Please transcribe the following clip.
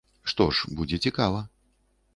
Што ж, будзе цікава.